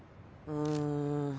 うん。